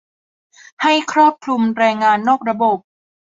ให้ครอบคลุมแรงงานนอกระบบ